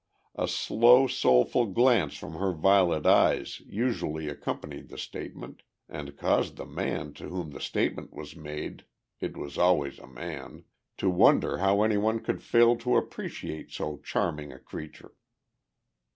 A slow, soulful glance from her violet eyes usually accompanied the statement and caused the man to whom the statement was made (it was always a man) to wonder how anyone could fail to appreciate so charming a creature.